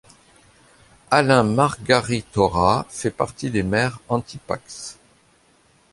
Alain Margaritora fait partie des maires anti-Pacs.